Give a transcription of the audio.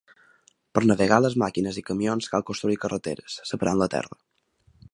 Per navegar les màquines i camions cal construir carreteres, separant la terra.